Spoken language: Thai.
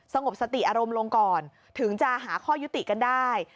งบสติอารมณ์ลงก่อนถึงจะหาข้อยุติกันได้